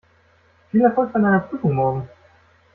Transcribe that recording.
Viel Erfolg bei deiner Prüfung morgen!